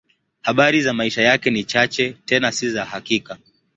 Habari za maisha yake ni chache, tena si za hakika.